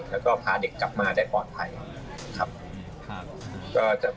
แล้วก็พาเด็กกลับมาได้ปลอดภัยครับ